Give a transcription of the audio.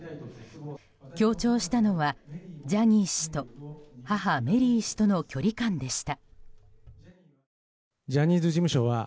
強調したのはジャニー氏と母メリー氏との距離感でした。